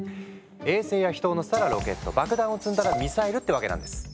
衛星や人を乗せたらロケット爆弾を積んだらミサイルってわけなんです。